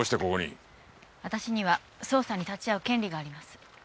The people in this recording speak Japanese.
私には捜査に立ち会う権利があります。